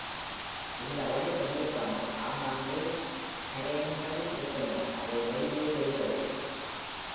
இந்த வழி செங்குத்தானது, ஆங்காங்கே cairnகள் இருக்கின்றன, அவை வெளியே தெரிவதில்லை.